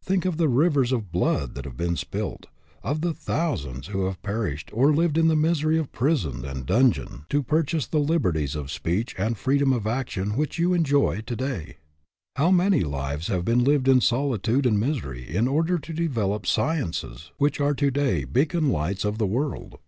Think of the rivers of blood that have been spilt, of the thousands who have perished or lived in the misery of prison and dungeon to DOES THE WORLD OWE YOU? 205 purchase the liberties of speech and freedom of action which you enjoy to day. How many lives have been lived in solitude and misery in order to develop sciences which are to day beacon lights of the world!